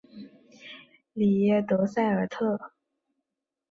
里耶德塞尔特。